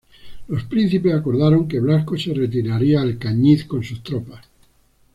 Los príncipes acordaron que Blasco se retiraría a Alcañiz con sus tropas.